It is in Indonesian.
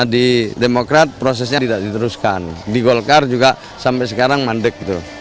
di demokrat prosesnya tidak diteruskan di golkar juga sampai sekarang mandek